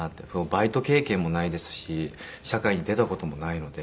バイト経験もないですし社会に出た事もないので。